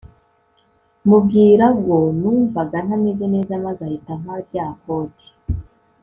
mubwirago numvaga ntameze neza maze ahita ampa rya Koti